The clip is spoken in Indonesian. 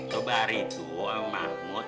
sobari tuh sama mahmud